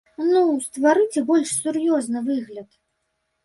Ну, стварыце больш сур'ёзны выгляд.